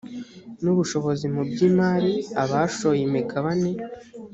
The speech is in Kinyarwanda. n ubushobozi mu by imariabashoye imigabane